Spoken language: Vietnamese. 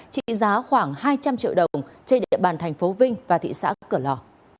trị giá khoảng hai trăm linh triệu đồng trên địa bàn thành phố vinh và thị xã cửa lò